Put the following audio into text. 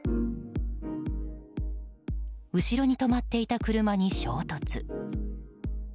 後ろに止まっていた車に衝突。